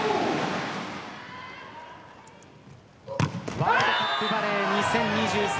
ワールドカップバレー２０２３